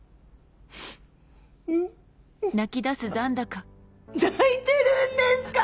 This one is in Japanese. あっ泣いてるんですか？